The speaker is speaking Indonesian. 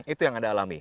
itu yang anda alami